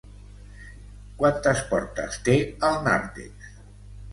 Quantes portes té al nàrtex?